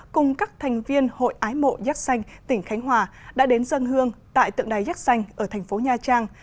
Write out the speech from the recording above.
cùng các thành viên hội ái mộ yatsen tỉnh khánh hòa đã đến dân hương tại tượng đài yatsen ở thành phố nha trang